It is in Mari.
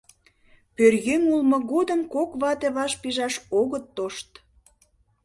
Пӧръеҥ улмо годым кок вате ваш пижаш огыт тошт.